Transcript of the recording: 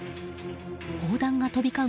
砲弾が飛び交う